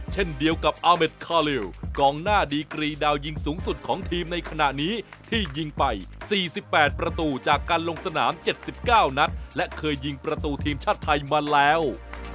เช่นเดียวกับอาเมดคาลิวกองหน้าดีกรีดาวยิงสูงสุดของทีมในขณะนี้ที่ยิงไป๔๘ประตูจากการลงสนาม๗๙นัดและเคยยิงประตูทีมชาติไทยมาแล้ว